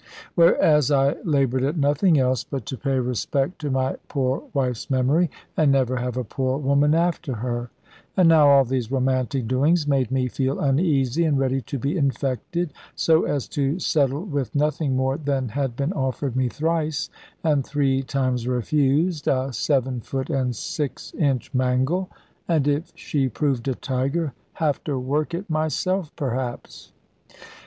Whereas I laboured at nothing else but to pay respect to my poor wife's memory, and never have a poor woman after her. And now all these romantic doings made me feel uneasy, and ready to be infected, so as to settle with nothing more than had been offered me thrice, and three times refused a 7 foot and 6 inch mangle; and (if she proved a tiger) have to work it myself perhaps!